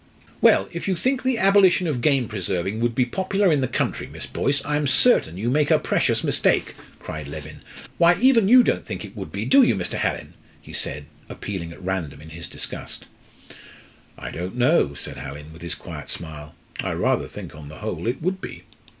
"Well, if you think the abolition of game preserving would be popular in the country, Miss Boyce, I'm certain you make a precious mistake," cried Leven. "Why, even you don't think it would be, do you, Mr. Hallin?" he said, appealing at random in his disgust. "I don't know," said Hallin, with his quiet smile. "I rather think, on the whole, it would be.